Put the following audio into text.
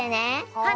はい。